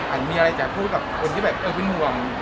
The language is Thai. สุดท้ายมีอะไรจะพูดต่นที่ต้องบินห่วง